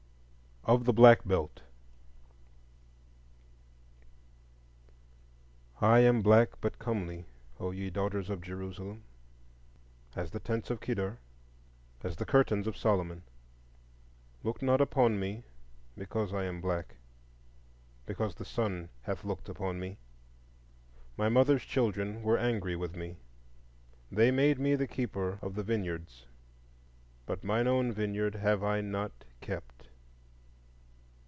Of the Black Belt I am black but comely, O ye daughters of Jerusalem, As the tents of Kedar, as the curtains of Solomon. Look not upon me, because I am black, Because the sun hath looked upon me: My mother's children were angry with me; They made me the keeper of the vineyards; But mine own vineyard have I not kept.